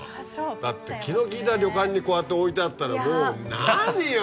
だって気の利いた旅館にこうやって置いてあったらもう何よ